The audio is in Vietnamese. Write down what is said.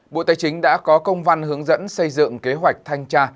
bộ tài chính đã có công văn hướng dẫn xây dựng kế hoạch thanh tra